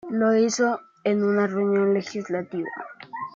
Lo hizo en una reunión legislativa.